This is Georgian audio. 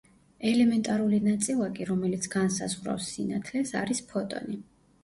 ელემენტარული ნაწილაკი, რომელიც განსაზღვრავს სინათლეს არის ფოტონი.